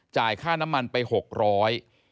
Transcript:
จ่ายค่าน้ำมันไปหกร้อย